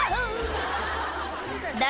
「誰？